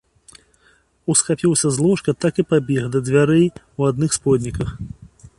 Усхапіўся з ложка, так і пабег да дзвярэй у адных сподніках.